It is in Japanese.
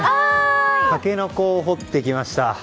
タケノコを掘ってきました。